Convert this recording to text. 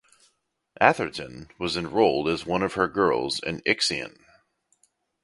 Atherton was enrolled as one of her girls in "Ixion".